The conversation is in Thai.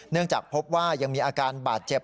จากพบว่ายังมีอาการบาดเจ็บ